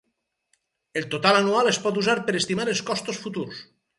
El total anual es pot usar per estimar els costos futurs.